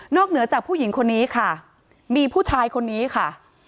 เหนือจากผู้หญิงคนนี้ค่ะมีผู้ชายคนนี้ค่ะ